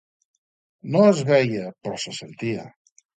No es veia, però se sentia.